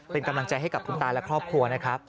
เป็นกำลังใจให้กับคุณตาและครอบครัวนะครับ